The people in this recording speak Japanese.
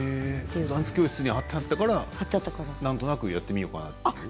ダンス教室に貼ってあったから、なんとなくやってみようかと。